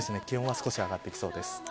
気温は少し上がってきそうです。